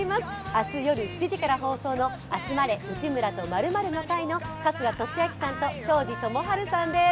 明日夜７時から放送の「集まれ！内村と○○の会」の春日俊彰さんと庄司智春さんです。